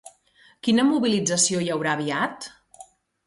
Quina mobilització hi haurà aviat?